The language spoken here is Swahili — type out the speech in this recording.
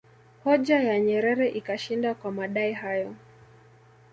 Hoja ya Nyerere ikashinda kwa madai hayo